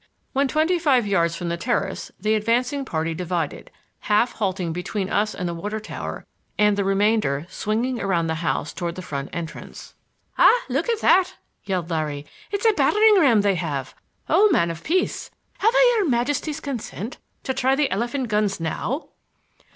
When twenty five yards from the terrace the advancing party divided, half halting between us and the water tower and the remainder swinging around the house toward the front entrance. "Ah, look at that!" yelled Larry. "It's a battering ram they have. O man of peace! have I your Majesty's consent to try the elephant guns now?"